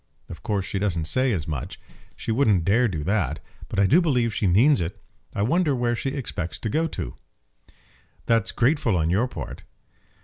Of course she doesn't say as much. She wouldn't dare do that, but I do believe she means it. I wonder where she expects to go to!" "That's grateful on your part."